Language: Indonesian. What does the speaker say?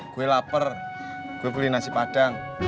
gue lapar gue beli nasi padang